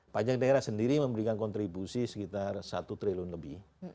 pajak daerah sendiri memberikan kontribusi sekitar satu triliun lebih